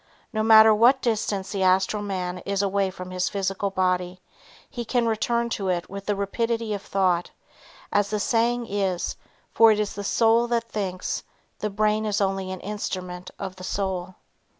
No matter what distance the astral man is away from his physical body, he can return to it with the rapidity of thought, as the saying is, for it is the soul that thinks, the brain is only an instrument of the soul.